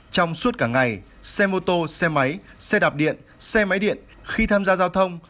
trong suốt cả ngày xe mô tô xe máy xe đạp điện xe máy điện khi tham gia giao thông